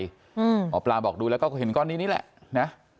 หมอปลาบอกดูแล้วก็เห็นก้อนนี้นี่แหละนะ